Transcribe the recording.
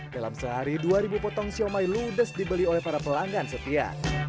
dalam sehari dua ribu potong siomay ludes dibeli oleh para pelanggan setia